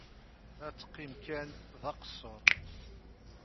Ad teqqim kan d aqeṣṣer.